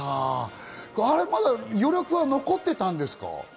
余力は残ってたんですか？